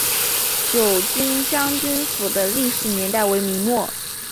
九军将军府的历史年代为明末。